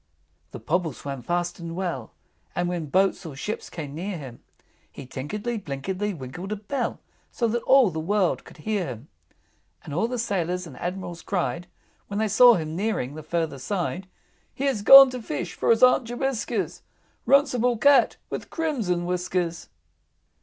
III. The Pobble swam fast and well, And when boats or ships came near him, He tinkledy binkledy winkled a bell So that all the world could hear him. And all the Sailors and Admirals cried, When they saw him nearing the further side, "He has gone to fish, for his Aunt Jobiska's Runcible Cat with crimson whiskers!"